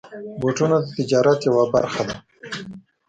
بوټونه د تجارت یوه برخه ده.